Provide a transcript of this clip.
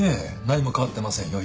何も変わってませんよ